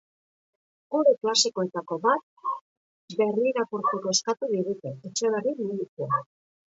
Gure klasikoetako bat berrirakurtzeko eskatu digute: Etxeberri medikua.